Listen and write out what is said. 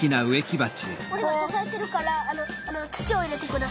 おれがささえてるからつちをいれてください。